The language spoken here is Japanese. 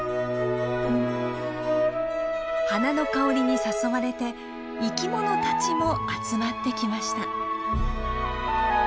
花の香りに誘われて生きものたちも集まってきました。